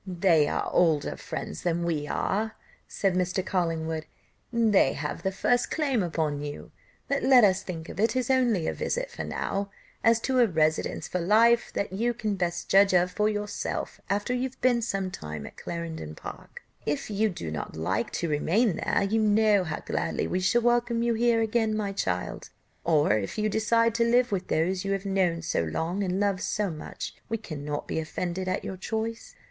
"They are older friends than we are," said Mr. Collingwood, "they have the first claim upon you; but let us think of it as only a visit now. As to a residence for life, that you can best judge of for yourself after you have been some time at Clarendon Park; if you do not like to remain there, you know how gladly we shall welcome you here again, my child; or, if you decide to live with those you have known so long and loved so much, we cannot be offended at your choice."